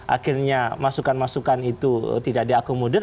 akhirnya masukan masukan itu tidak diakomodir